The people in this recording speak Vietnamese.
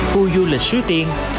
khu du lịch suối tiên